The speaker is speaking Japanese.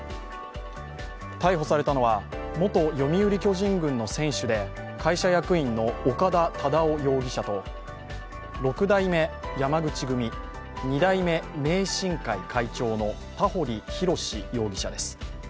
逮捕されたのは、元読売巨人軍の選手で会社役員の岡田忠雄容疑者と六代目山口組、二代目明神会会長の田堀寛容疑者です。